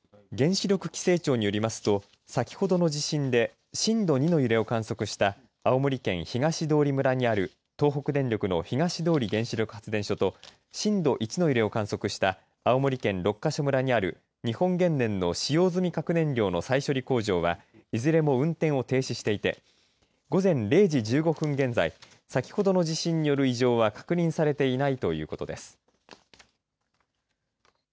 原子力規制庁によりますと先ほどの地震で震度２の揺れを観測した青森県東通村にある東北電力の東通原子力発電所と震度１の揺れを観測した青森県六ヶ所村にある日本原燃の使用済み核燃料の再処理工場はいずれも運転を停止していて午前０時１５分現在先ほどの地震による異常は確認されていないということです。